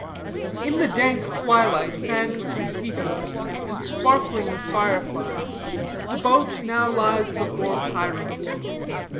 In the dank twilight, fanned with mosquitoes, and sparkling with fire flies, the boat now lies before Cairo.